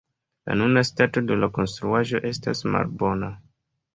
La nuna stato de la konstruaĵo estas malbona.